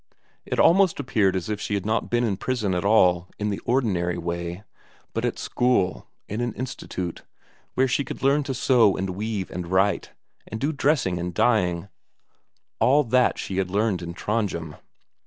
It almost appeared as if she had not been in prison at all, in the ordinary way, but at school, in an institute, where one could learn to sew and weave and write, and do dressing and dyeing all that she had learned in Trondhjem.